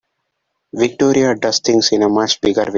Victoria does things in a much bigger way.